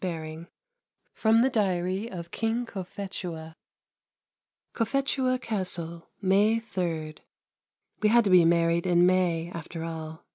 III FROM THE DIARY OF KING COPHETUA Cophetua Castle, May 3. We had to be married in May, after all.